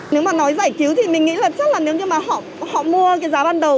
nếu mà nói giải cứu thì mình nghĩ lập chắc là nếu như mà họ mua cái giá ban đầu